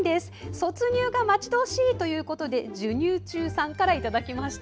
卒乳が待ち遠しいということで授乳中さんからいただきました。